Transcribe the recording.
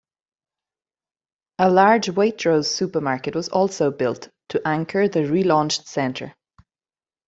A large Waitrose supermarket was also built, to anchor the relaunched centre.